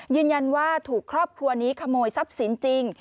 ยืนยันว่าถูกครอบครัวนี้ขโมยทรัพย์สินจริง